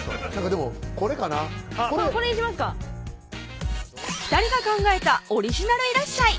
でもこれかなこれにしますか２人が考えた「オリジナルいらっしゃい！」